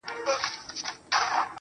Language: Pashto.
ښكلي دا ستا په يو نظر كي جــادو.